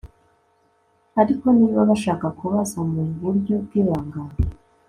ariko niba bashaka kubaza mu buryo bw'ibanga